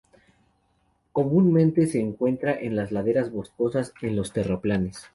Comúnmente se encuentra en las laderas boscosas en los terraplenes.